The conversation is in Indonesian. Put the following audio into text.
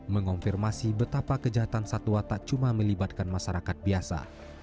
mengonfirmasi betapa kejahatan satwa tak cuma melibatkan masyarakat biasa